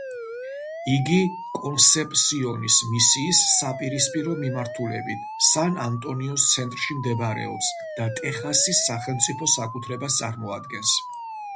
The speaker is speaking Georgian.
იგი კონსეპსიონის მისიის საპირისპირო მიმართულებით, სან-ანტონიოს ცენტრში მდებარეობს და ტეხასის სახელმწიფო საკუთრებას წარმოადგენს.